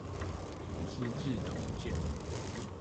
資治通鑑